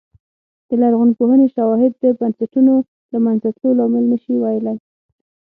د لرغونپوهنې شواهد د بنسټونو له منځه تلو لامل نه شي ویلای